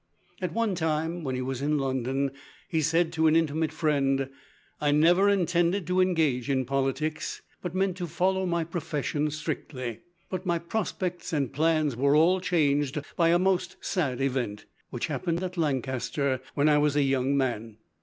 At one time, when he was in London, he said to an intimate friend: "I never intended to engage in politics, but meant to follow my profession strictly. But my prospects and plans were all changed by a most sad event, which happened at Lancaster when I was a young man.